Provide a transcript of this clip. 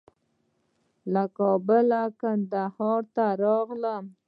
له کابله به کندهار ته راغلم.